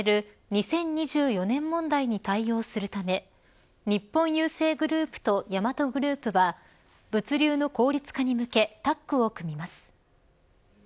２０２４年問題に対応するため日本郵政グループとヤマトグループは物流の効率化に向けタッグを組みます。